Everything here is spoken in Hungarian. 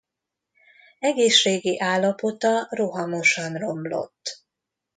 Egészségi állapota rohamosan romlott.